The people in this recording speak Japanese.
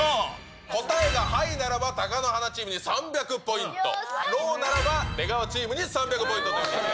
答えがハイならば、貴乃花チームに３００ポイント、ローならば出川チームに３００ポイントということに。